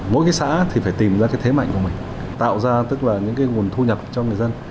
mỗi cái xã thì phải tìm ra cái thế mạnh của mình tạo ra tức là những cái nguồn thu nhập cho người dân